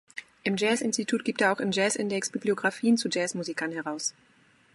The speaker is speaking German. Im Jazzinstitut gibt er auch im "Jazz Index" Bibliographien zu Jazzmusikern heraus.